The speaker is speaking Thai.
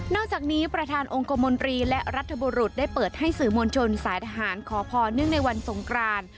จากนี้ประธานองค์กรมนตรีและรัฐบุรุษได้เปิดให้สื่อมวลชนสายทหารขอพรเนื่องในวันสงคราน